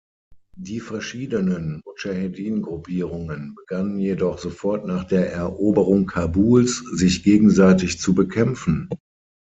Die verschiedenen Mudschahedin-Gruppierungen begannen jedoch sofort nach der Eroberung Kabuls, sich gegenseitig zu bekämpfen.